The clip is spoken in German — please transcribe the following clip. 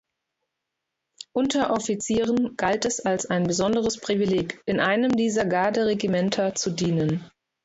Unter Offizieren galt es als ein besonderes Privileg, in einem dieser Garderegimenter zu dienen.